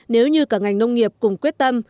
nếu như cả ngành nông nghiệp cùng quyết tâm